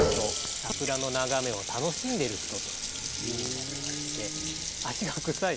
桜の眺めを楽しんでる人という意味になりまして「足がくさい」